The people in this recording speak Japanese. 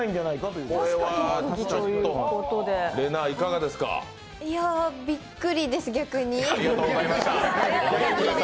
いや、びっくりです、逆に。